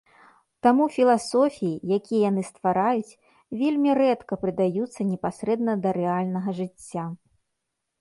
Таму філасофіі, якія яны ствараюць, вельмі рэдка прыдаюцца непасрэдна да рэальнага жыцця.